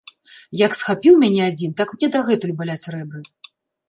Як схапіў мяне адзін, так мне дагэтуль баляць рэбры.